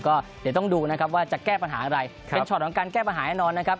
ก็เดี๋ยวต้องดูนะครับว่าจะแก้ปัญหาอะไรเป็นช็อตของการแก้ปัญหาแน่นอนนะครับ